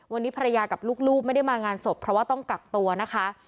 วันนี้ภรรยากับลูกไม่ได้มางานศพเพราะว่าต้องกักตัวนะคะ